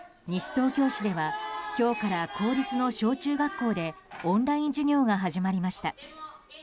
西東京市では今日から公立の小中学校でオンライン授業が始まりました。